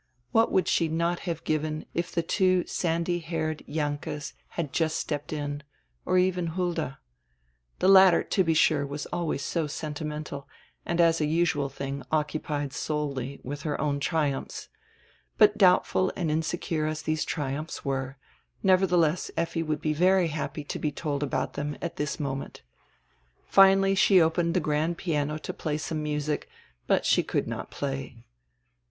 What would she not have given if the two sandy haired Jahnkes had just stepped in, or even Hulda? The latter, to be sure, was always so sentimental and as a usual tiling occupied solely with her own triumphs. But doubtful and insecure as these triumphs were, nevertheless Effi would be very happy to be told about them at this moment Finally she opened the grand piano to play some music, but she could not play.